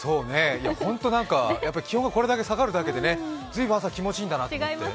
気温がこれだけ下がるだけで随分、朝、気持ちいいんだなって。